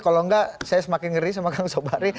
kalau enggak saya semakin ngeri sama kang sobari